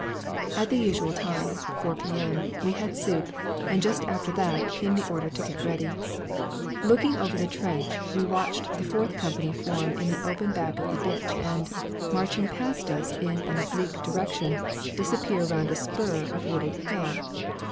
At the usual time 4 P.M. we had soup, and just after that, came the order to get ready. Looking over the trench, we watched the fourth company form in the open back of the ditch and, marching past us in an oblique direction, disappear round a spur of wooded hill.